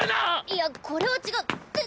いやこれは違って！